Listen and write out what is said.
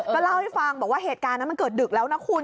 ก็เล่าให้ฟังบอกว่าเหตุการณ์นั้นมันเกิดดึกแล้วนะคุณ